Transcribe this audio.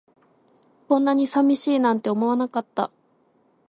こんなに寂しいなんて思わなかった